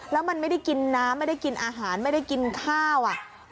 แล้วมันไม่ได้กินน้ำไม่ได้กินอาหารไม่ได้กินข้าว